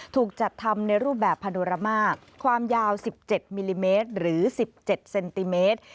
ถูกจัดทำในรูปแบบพาโดรามาความยาว๑๗มิลลิเมตรหรือ๑๗เซนติเมตร